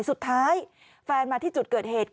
สุดท้ายแฟนมาที่จุดเกิดเหตุ